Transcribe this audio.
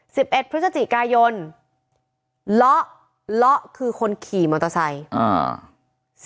สิบเอ็ดพฤศจิกายนเลาะเลาะคือคนขี่มอเตอร์ไซค์อ่า